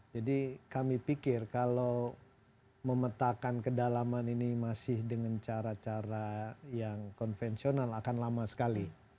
jadi kami pikir kalau memetakan kedalaman ini masih dengan cara cara yang konvensional akan lama sekali